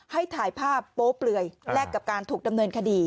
ให้ถ่ายภาพโป๊เปลือยแลกกับการถูกดำเนินคดี